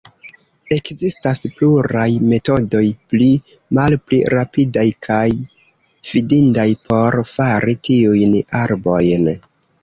Ekzistas pluraj metodoj, pli malpli rapidaj kaj fidindaj, por fari tiujn arbojn.